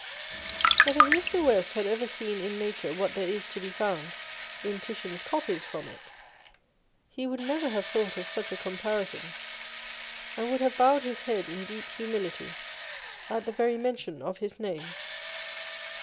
But if Mr. West had ever seen in nature what there is to be found in Titian's copies from it, he would never have thought of such a comparison, and would have bowed his head in deep humility at the very mention of his name.